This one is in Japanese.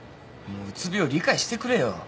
もううつ病理解してくれよ。